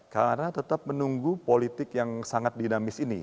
karena tetap menunggu politik yang sangat dinamis ini